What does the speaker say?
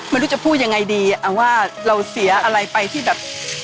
ไม่รู้จะพูดยังไงดีว่าเราเสียอะไรไปที่แบบ